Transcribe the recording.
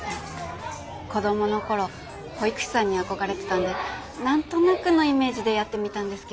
子どもの頃保育士さんに憧れてたんで何となくのイメージでやってみたんですけど。